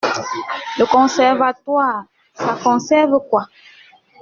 Le conservatoire, ça conserve quoi?